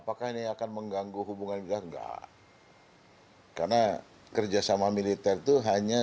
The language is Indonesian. apakah ini akan mengganggu hubungan kita enggak karena kerjasama militer itu hanya